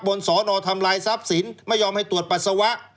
สอนอทำลายทรัพย์สินไม่ยอมให้ตรวจปัสสาวะ